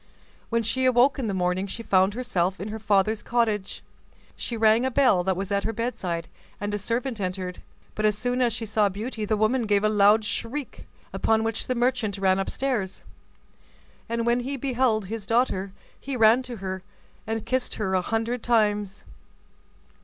When she awoke in the morning, she found herself in her father's cottage. She rang a bell that was at her bedside, and a servant entered; but as soon as she saw Beauty the woman gave a loud shriek; upon which the merchant ran upstairs, and when he beheld his daughter he ran to her, and kissed her a hundred times.